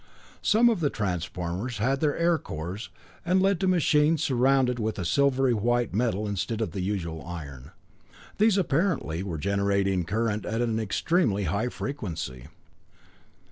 Some of the transformers had air cores, and led to machines surrounded with a silvery white metal instead of the usual iron. These, apparently, were generating current at an extremely high frequency.